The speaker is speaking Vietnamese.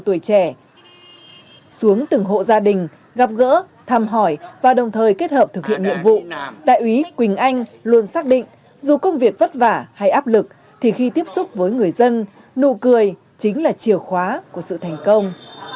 xuống từng hộ gia đình gặp gỡ thăm hỏi và đồng thời kết hợp thực hiện nhiệm vụ đại úy quỳnh anh luôn xác định dù công việc vất vả hay áp lực thì khi tiếp xúc với người dân nụ cười chính là chìa khóa của sự thành công